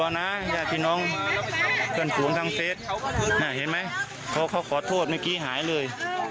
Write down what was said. ให้บรรยาทีนองเพื่อนผู้ทำเฟสน่าเห็นไหมเขาเขาขอโทษเมื่อกี้หายเลย